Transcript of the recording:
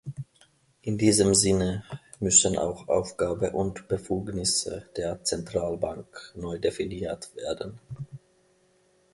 In diesem Sinne müssen auch Aufgabe und Befugnisse der Zentralbank neu definiert werden.